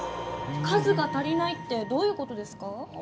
数が足りないってどういうことですか？